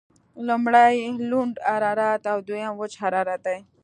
لمړی لوند حرارت او دویم وچ حرارت دی.